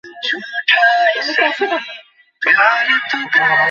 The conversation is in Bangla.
মধুর সমাপ্তির নিশ্চয়তা আছে!